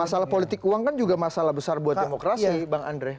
masalah politik uang kan juga masalah besar buat demokrasi bang andre